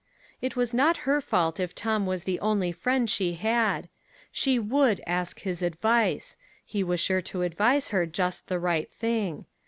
It was not her fault if Tom was the only friend she had! She would ask his advice; he was sure to advise her just the right thing.